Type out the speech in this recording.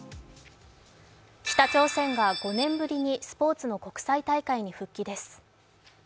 北朝鮮が５年ぶりにスポーツの国際大会に復帰です。